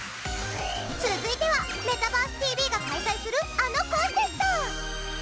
続いては『メタバースＴＶ！！』が開催するあのコンテスト！